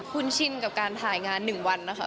คุ้นชินกับการถ่ายงานหนึ่งวันนะคะ